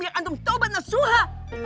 ya antum tobat nasuhah